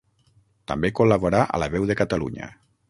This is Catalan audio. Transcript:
També col·laborà a la Veu de Catalunya.